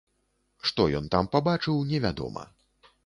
Што ён там пабачыў, невядома.